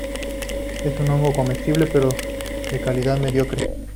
Es un hongo comestible, pero de calidad mediocre.